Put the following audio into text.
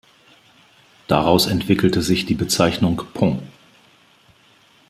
Daraus entwickelte sich die Bezeichnung „Pont“.